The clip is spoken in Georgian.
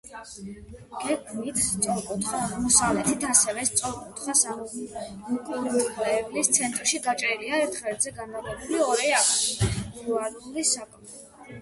გეგმით სწორკუთხა, აღმოსავლეთით ასევე სწორკუთხა საკურთხევლის ცენტრში გაჭრილია ერთ ღერძზე განლაგებული ორი არქიტრავული სარკმელი.